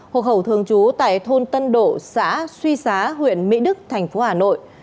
hộ khẩu thường trú tại thôn tân độ xã suy xá huyện mỹ đức thành phố hà nội